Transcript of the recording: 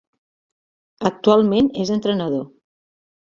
Actualment és entrenador.